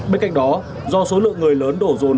bên cạnh đó do số lượng người lớn đổ rồn